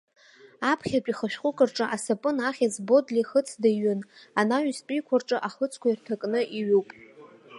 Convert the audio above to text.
Аԥхьатәи х-шәҟәык рҿы асапын ахьӡ бодли хыцда иҩын, анаҩстәиқәа рҿы ахыцқәа ирҭакны иҩуп.